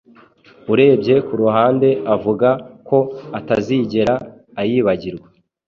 Arebye kuruhande, avuga ko atazigera ayibagirwa.